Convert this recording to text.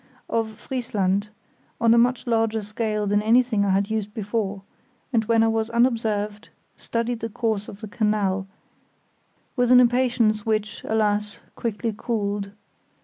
] of Friesland, on a much larger scale than anything I had used before, and when I was unobserved studied the course of the canal, with an impatience which, alas! quickly cooled.